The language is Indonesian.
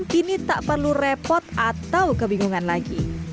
kini tak perlu repot atau kebingungan lagi